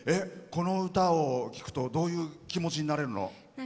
この歌を聴くとどういう気持ちになれるの？